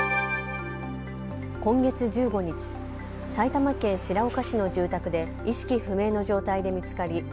今月１５日、埼玉県白岡市の住宅で意識不明の状態で見つかり